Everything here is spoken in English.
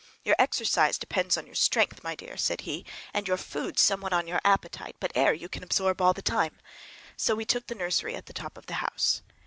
"Your exercise depends on your strength, my dear," said he, "and your food somewhat on your appetite; but air you can absorb all the time." So we took the nursery, at the top of the house.